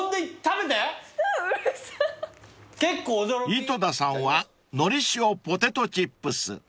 ［井戸田さんはのりしおポテトチップス］